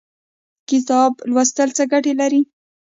کتاب لوستل څه ګټه لري؟